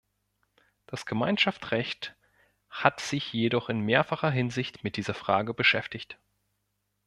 Das Gemeinschaftsrecht hat sich jedoch in mehrfacher Hinsicht mit dieser Frage beschäftigt.